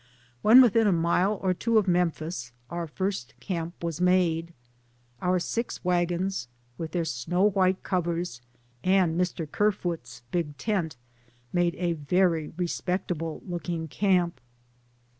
When within a mile or two of Memphis our first camp was made. Our six wagons, with their snow white covers, and Mr. Ker foot's big tent, make a very respectable looking camp.